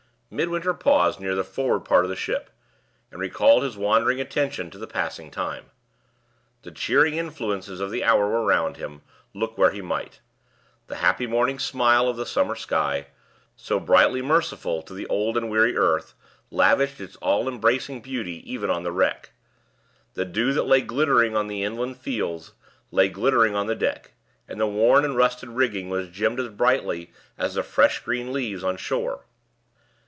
Midwinter paused near the forward part of the ship, and recalled his wandering attention to the passing time. The cheering influences of the hour were round him, look where he might. The happy morning smile of the summer sky, so brightly merciful to the old and weary earth, lavished its all embracing beauty even on the wreck. The dew that lay glittering on the inland fields lay glittering on the deck, and the worn and rusted rigging was gemmed as brightly as the fresh green leaves on shore.